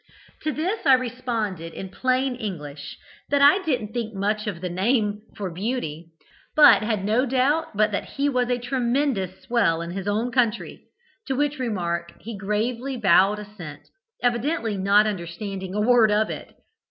To this I responded, in plain English, that I didn't think much of the name for beauty, but had no doubt but that he was a tremendous 'swell' in his own country, to which remark he gravely bowed assent, evidently not understanding a word of it.